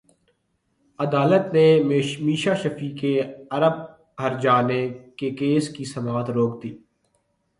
عدالت نے میشا شفیع کے ارب ہرجانے کے کیس کی سماعت روک دی